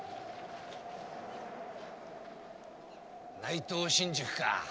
内藤新宿か。